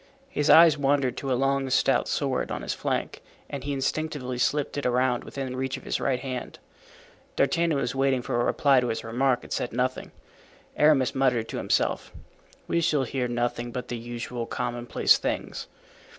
His eye wandered to a long stout sword on his flank and he instinctively slipped it around within reach of his right hand. D'Artagnan was waiting for a reply to his remark and said nothing. Aramis muttered to himself, "We shall hear nothing but the usual commonplace things."